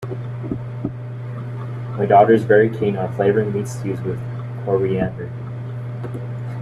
My daughter is very keen on flavouring meat stews with coriander